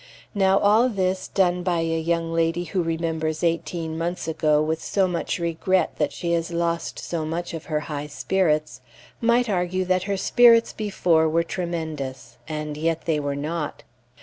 Now all this done by a young lady who remembers eighteen months ago with so much regret that she has lost so much of her high spirits might argue that her spirits were before tremendous; and yet they were not.